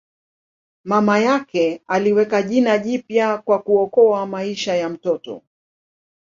Mama yake aliweka jina jipya kwa kuokoa maisha ya mtoto.